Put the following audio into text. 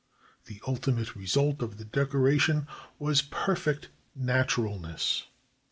The ultimate result of the decoration was perfect naturalness.